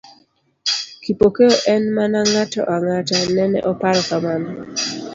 Kipokeo en mana ng'ato ang'ata…nene oparo kamano.